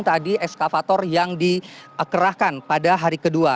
tadi eskavator yang dikerahkan pada hari kedua